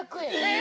◆え！